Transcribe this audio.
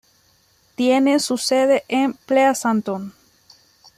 Tiene su sede en Pleasanton.